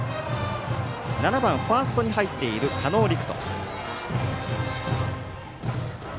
７番、ファーストに入っている狩野陸人。